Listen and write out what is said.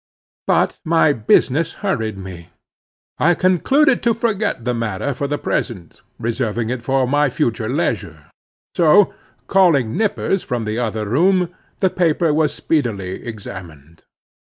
But my business hurried me. I concluded to forget the matter for the present, reserving it for my future leisure. So calling Nippers from the other room, the paper was speedily examined.